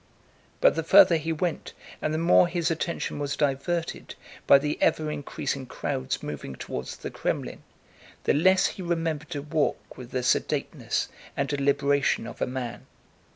But the farther he went and the more his attention was diverted by the ever increasing crowds moving toward the Krémlin, the less he remembered to walk with the sedateness and deliberation of a man.